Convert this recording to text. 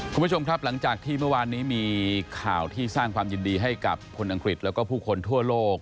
คุณผู้ชมครับหลังจากที่เมื่อวานนี้มีข่าวที่สร้างความยินดีให้กับคนอังกฤษแล้วก็ผู้คนทั่วโลก